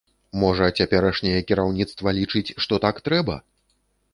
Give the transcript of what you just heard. Можа, цяперашняе кіраўніцтва лічыць, што так трэба?